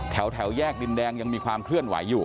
แถวแยกดินแดงยังมีความเคลื่อนไหวอยู่